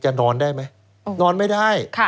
นอนได้ไหมนอนไม่ได้